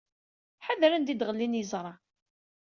Ḥader anda i d-ɣellin yiẓra.